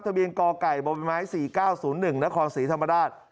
เบียงกไก่บไม้๔๙๐๑นครศรีธรรมราช